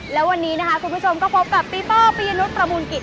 แล้ววันนี้นะคะคุณผู้ชมก็พบกับปีโป้ปียนุษย์ประมูลกิจ